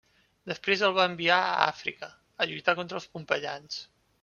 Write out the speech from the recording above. Després el va enviar a Àfrica a lluitar contra els pompeians.